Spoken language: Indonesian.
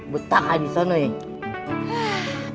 betah kan disana ya